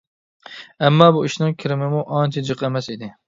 ئەمما بۇ ئىشنىڭ كىرىمىمۇ ئانچە جىق ئەمەس ئىدى.